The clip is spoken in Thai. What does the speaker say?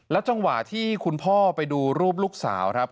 จังหวะที่คุณพ่อไปดูรูปลูกสาวครับ